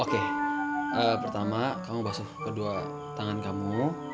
oke pertama kamu basuh kedua tangan kamu